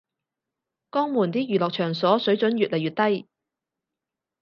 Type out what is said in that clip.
江門啲娛樂場所水準越來越低